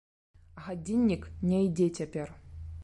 Гадзіннік не ідзе цяпер.